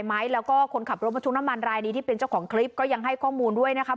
มีคนทุกนามันรายดีที่เป็นเจ้าของคลิปก็ยังให้ข้อมูลด้วยนะคะ